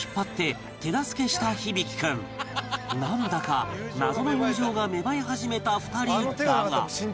なんだか謎の友情が芽生え始めた２人だが